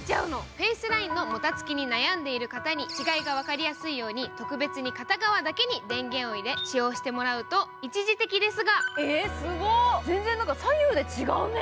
フェイスラインのもたつきに悩んでいる方に、違いが分かるように特別に片側だけに電源を入れ使用してもらうと一時的ですが全然左右で違うね！